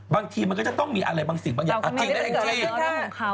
บางทีมันก็จะต้องมีอะไรบางสิ่งอาทิตย์อะไรอีก